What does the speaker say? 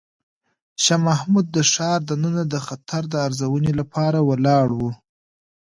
شاه محمود د ښار دننه د خطر د ارزونې لپاره ولاړ و.